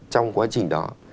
trong quá trình đó